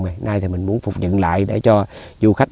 hiện nay thì mình muốn phục nhận lại để cho du khách